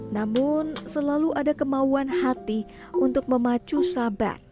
namun selalu ada kemauan hati untuk memacu sabar